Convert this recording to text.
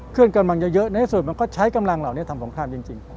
กำลังเยอะในที่สุดมันก็ใช้กำลังเหล่านี้ทำสงครามจริง